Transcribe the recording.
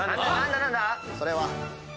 それは。